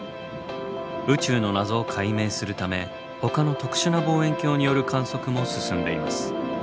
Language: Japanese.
宇宙の謎を解明するためほかの特殊な望遠鏡による観測も進んでいます。